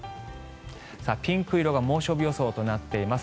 ピンク色が猛暑日予想となっています。